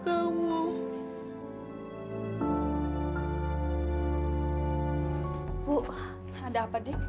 ada apa dik